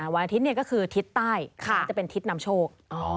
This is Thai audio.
วันอาทิตย์ก็คือทิศใต้จะเป็นทิศนำโชค